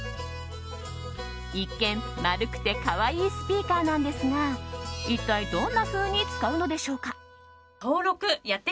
一見、丸くて可愛いスピーカーなんですが一体どんなふうに使うのでしょうか。